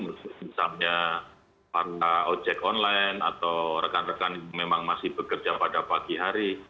misalnya para ojek online atau rekan rekan yang memang masih bekerja pada pagi hari